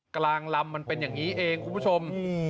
กลางลำมันเป็นอย่างนี้เองคุณผู้ชม